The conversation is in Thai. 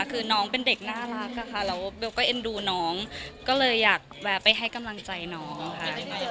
คือน้องเป็นเด็กน่ารักอะค่ะแล้วเบลก็เอ็นดูน้องก็เลยอยากแวะไปให้กำลังใจน้องค่ะ